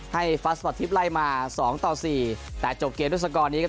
ให้ฟัสสปอตทิพย์ไล่มา๒ต่อ๔แต่จบเกมเวลาสกรนี้ครับ